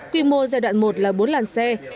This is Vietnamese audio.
quy mô giai đoạn một là bốn làn xe